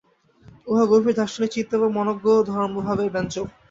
উহা গভীর দার্শনিক চিন্তা এবং মনোজ্ঞ ধর্মভাবের ব্যঞ্জক।